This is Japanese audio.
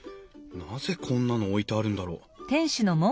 なぜこんなの置いてあるんだろう？